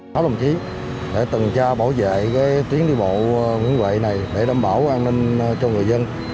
đó là một chí để từng cha bảo vệ tuyến đi bộ quận vệ này để đảm bảo an ninh cho người dân